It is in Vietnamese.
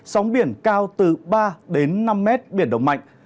sóng biển cao từ ba năm mét biển đông mạnh